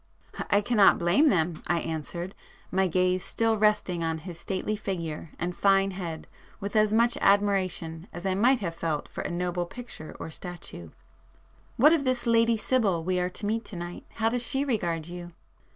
"I cannot blame them!" I answered, my gaze still resting on his stately figure and fine head with as much admiration as I might have felt for a noble picture or statue—"What of this Lady Sibyl we are to meet to night,—how does she regard you?"